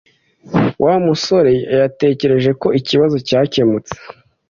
wa musoreyatekereje ko ikibazo cyakemutse